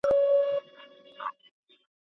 خپله که نه لرې هغه چرته دی